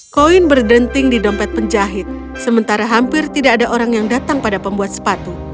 koin berdenting di dompet penjahit sementara hampir tidak ada orang yang datang pada pembuat sepatu